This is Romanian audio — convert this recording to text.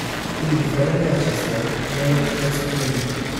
Indiferent de acestea, noi le putem stăpâni.